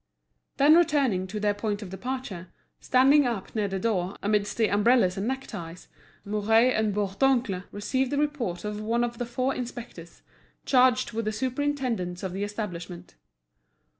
Then returning to their point of departure, standing up near the door, amidst the umbrellas and neckties, Mouret and Bourdoncle received the report of one of the four inspectors, charged with the superintendence of the establishment.